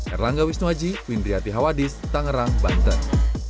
erlangga wisnuwaji windriyati hawadis tangerang banten